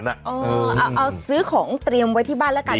เอาซื้อของเตรียมไว้ที่บ้านแล้วกัน